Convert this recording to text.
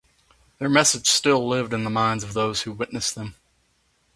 Their message still lived in the minds of those who witnessed them.